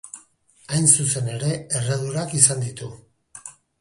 Hain zuzen ere, erredurak izan ditu.